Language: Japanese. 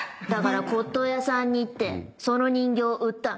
骨董屋さんに行ってその人形売った。